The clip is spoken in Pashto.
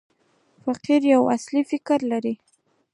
فقره یو اصلي فکر لري.